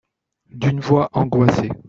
D’une voix angoissée.